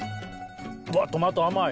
わっトマト甘い！